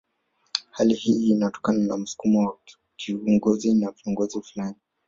Hali hii ni kutokana na msukumo wa kiongozi au viongozi fulani